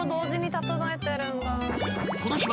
［この日は］